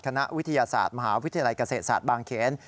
คณะวิทยาศาสตร์มหาวิทยาลัยเกษตรศาสตร์บางเขน